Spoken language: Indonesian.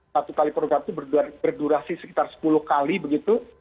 satu kali program itu berdurasi sekitar sepuluh kali begitu